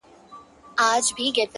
نه په غم کي د مېږیانو د غمونو٫